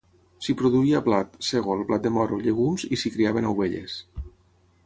S'hi produïa blat, sègol, blat de moro, llegums, i s'hi criaven ovelles.